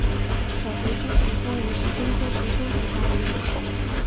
小垂枝石松为石松科石松属下的一个种。